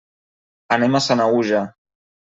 Anem a Sanaüja.